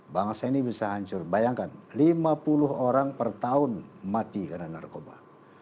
bangsa ini bisa hancur bayangkan lima puluh orang per tahun mati karena narkoba